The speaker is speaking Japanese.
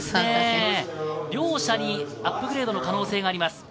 両者にアップグレードの可能性があります。